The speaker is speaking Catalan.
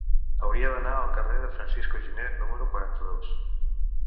Hauria d'anar al carrer de Francisco Giner número quaranta-dos.